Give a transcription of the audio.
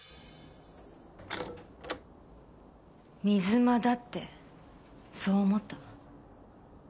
水間だってそう思った。